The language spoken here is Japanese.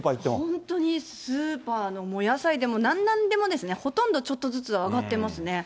本当にスーパーの野菜でもなんでもですね、ほとんどちょっとずつ上がってますね。